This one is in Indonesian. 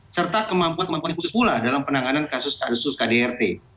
serta kemampuan kemampuan khusus pula dalam penanganan kasus kasus kdrt